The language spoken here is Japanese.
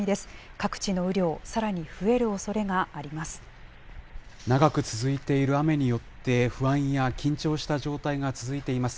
各地の雨量、さらに増えるおそれ長く続いている雨によって、不安や緊張した状態が続いています。